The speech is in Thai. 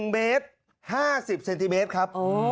๑เมตร๕๐เซนติเมตรครับ